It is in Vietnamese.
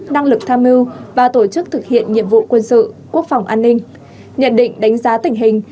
năng lực tham mưu và tổ chức thực hiện nhiệm vụ quân sự quốc phòng an ninh nhận định đánh giá tình hình